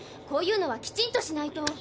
こういうのはきちんとしないと。